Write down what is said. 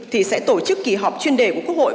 thì sẽ tổ chức kỳ họp chuyên đề của quốc hội